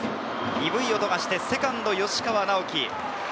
鈍い音がして、セカンド・吉川尚輝。